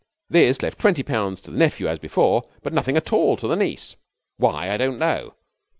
This left twenty pounds to the nephew as before, but nothing at all to the niece. Why, I don't know.